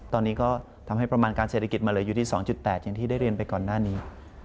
ตอนนี้ก็ทำให้ประมาณการเศรษฐกิจมาเหลืออยู่ที่๒๘อย่างที่ได้เรียนไปก่อนหน้านี้